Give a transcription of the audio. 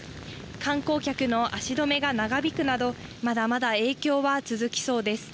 観光客の足止めが長引くなど、まだまだ影響は続きそうです。